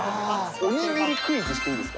おにぎりクイズしていいです